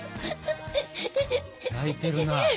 泣いてるな。